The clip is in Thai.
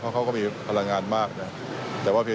เกิดอย่างการสำรวจในประเทศไทย